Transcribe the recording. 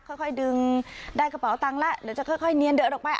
ค่อยดึงได้กระเป๋าตังค์แล้วเดี๋ยวจะค่อยเนียนเดินออกไป